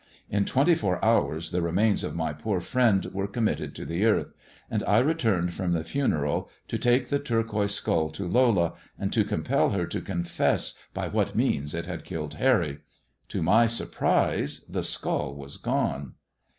In twenty four hours the remains of my poor friend were committed to the earth, and I returned from the funeral, to take the turquoise skull to Lola and to compel her to confess by what means it had killed Harry. To my surprise the skull was gone.